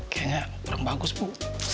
kayaknya orang bagus bu